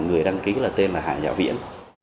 người đăng ký là tên là hà giá viễn